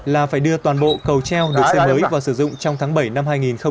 là phải đưa toàn bộ cầu treo được xây mới và sử dụng trong tháng bảy năm hai nghìn hai mươi